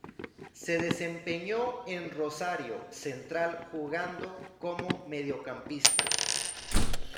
Se desempeñó en Rosario Central jugando como mediocampista.